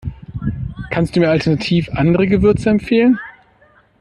Kannst du mir alternativ andere Gewürze empfehlen?